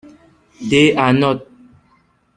They are not.